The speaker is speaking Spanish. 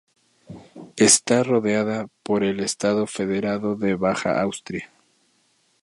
Está rodeada por el Estado federado de Baja Austria.